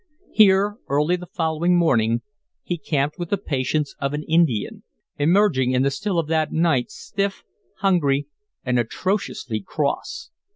Here, early the following morning, he camped with the patience of an Indian, emerging in the still of that night stiff, hungry, and atrociously cross.